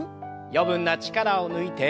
余分な力を抜いて。